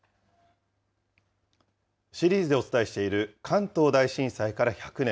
シリーズでお伝えしている関東大震災から１００年。